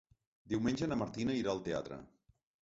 Diumenge na Martina irà al teatre.